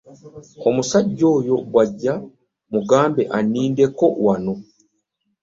Omusajja oyo bw'ajja omugambe annindireko wano.